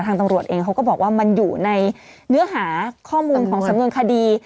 ตำรวจเองเขาก็บอกว่ามันอยู่ในเนื้อหาข้อมูลของสำนวนคดี